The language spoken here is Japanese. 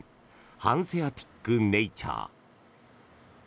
「ハンセアティック・ネイチャー」。